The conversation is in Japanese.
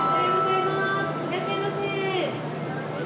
いらっしゃいませ！